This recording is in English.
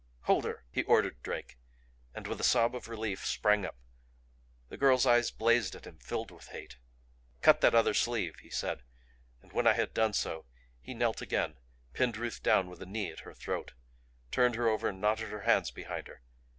"Hold her!" he ordered Drake; and with a sob of relief sprang up. The girl's eyes blazed at him, filled with hate. "Cut that other sleeve," he said; and when I had done so, he knelt again, pinned Ruth down with a knee at her throat, turned her over and knotted her hands behind her.